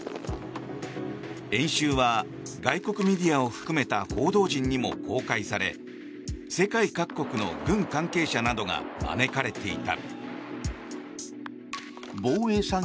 演習は外国メディアを含めた報道陣にも公開され世界各国の軍関係者などが招かれていた。